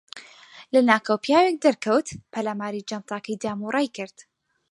لەناکاو پیاوێک دەرکەوت، پەلاماری جانتاکەی دام و ڕایکرد.